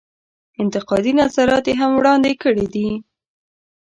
انتقادي نظرات یې هم وړاندې کړي دي.